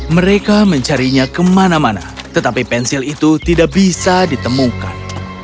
mereka mencarinya kemana mana tetapi pensil itu tidak bisa ditemukan